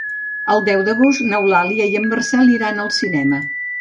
El deu d'agost n'Eulàlia i en Marcel iran al cinema.